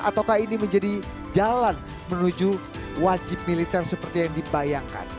ataukah ini menjadi jalan menuju wajib militer seperti yang dibayangkan